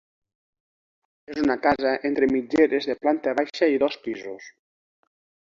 És una casa entre mitgeres de planta baixa i dos pisos.